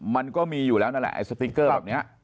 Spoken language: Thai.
มันก็มีอยู่แล้วนั่นแหละไอ้สติ๊กเกอร์แบบนี้